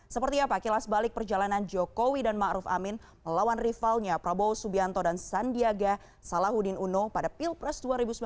seperti apa kilas balik perjalanan jokowi dan ⁇ maruf ⁇ amin melawan rivalnya prabowo subianto dan sandiaga salahuddin uno pada pilpres dua ribu sembilan belas